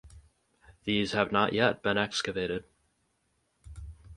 These have not yet been excavated.